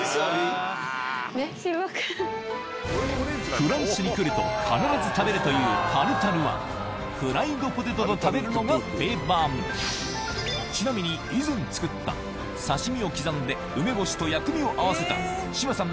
フランスに来ると必ず食べるというタルタルはフライドポテトと食べるのが定番ちなみに以前作った刺し身を刻んで梅干しと薬味を合わせた志麻さん